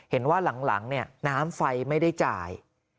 เห็นว่าหลังน้ำไฟไม่ได้จ่าย